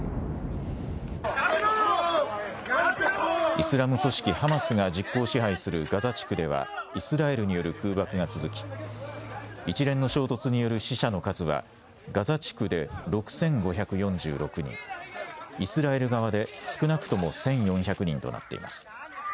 イスラム組織ハマスが実効支配するガザ地区ではイスラエルによる空爆が続き一連の衝突による死者の数はガザ地区で６５４６人イスラエル側で少なくとも１４００人となっています。